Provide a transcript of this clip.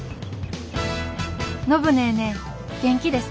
「暢ネーネー元気ですか。